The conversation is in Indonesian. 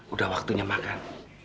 udah waktunya makan